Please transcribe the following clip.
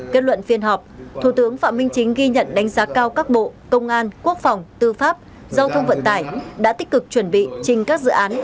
kết luận phiên họp thủ tướng phạm minh chính ghi nhận đánh giá cao các bộ công an quốc phòng tư pháp giao thông vận tải đã tích cực chuẩn bị trình các dự án